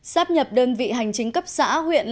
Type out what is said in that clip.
sát nhập đơn vị hành chính cấp xã huyện